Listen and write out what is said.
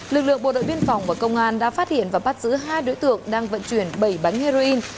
lực lượng bộ đội biên phòng và công an đã phát hiện và bắt giữ hai đối tượng đang vận chuyển bảy bánh heroin